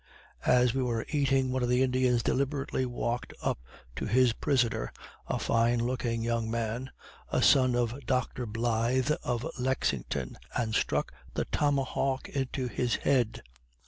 As we were eating, one of the Indians deliberately walked up to his prisoner, a fine looking young man, a son of Dr. Blythe of Lexington, and struck the tomahawk into his head.